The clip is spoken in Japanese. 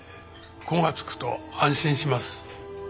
「子」がつくと安心します。